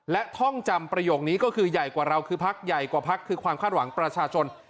และท่องจำประโยคนี้ก็คือใหญ่กว่าเราคือพักใหญ่กว่าพักคือความคาดหวังประชาชน